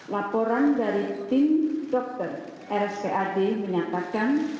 laporan dari tim dokter rspad menyatakan